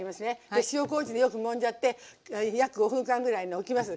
塩こうじでよくもんじゃって約５分間ぐらいおきます。